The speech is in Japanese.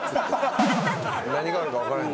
何があるか分からへん。